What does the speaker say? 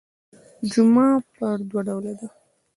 جمعه پر دوه ډوله ده.